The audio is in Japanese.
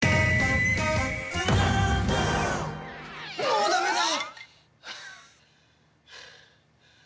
もうダメだ！